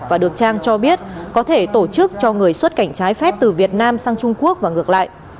và được trang cho biết có thể tổ chức cho người xuất cảnh trái phép từ việt nam sang trung quốc và ngược lại